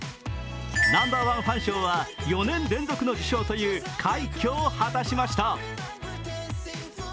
Ｎｏ．１ファン賞は４年連続の受賞という快挙を果たしました。